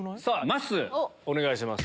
まっすーお願いします。